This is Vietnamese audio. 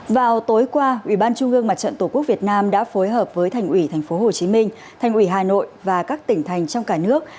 vào tối qua ủy ban trung ương mặt trận tổ quốc việt nam đã phối hợp với thành ủy tp hcm thành ủy hà nội và các tỉnh thành trong cả nước